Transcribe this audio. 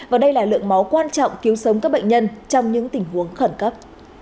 và đây là lượng máu quan trọng cứu sống các bệnh nhân trong những tình huống khẩn cấp